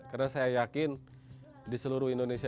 karena saya yakin di seluruh indonesia